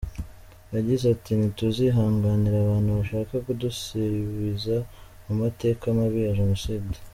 Yagize ati “Ntituzihanganira abantu bashaka kudusubiza mu mateka mabi ya Jenoside.